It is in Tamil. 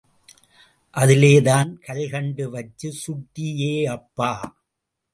அதுலதான் கல்கண்டு வச்சு சுட்டியேப்பா!